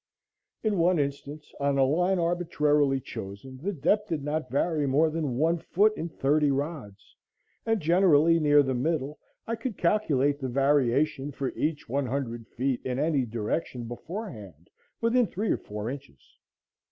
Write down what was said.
In one instance, on a line arbitrarily chosen, the depth did not vary more than one foot in thirty rods; and generally, near the middle, I could calculate the variation for each one hundred feet in any direction beforehand within three or four inches.